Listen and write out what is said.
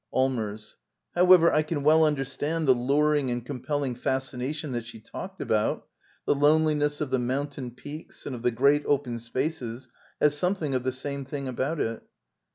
Allmers. However, I can well understand the luring and compelling fascination that she talked about. The loneliness of the mountain peaks and of the great open spaces has something of the same thing about it.